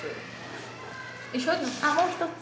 もう一つ。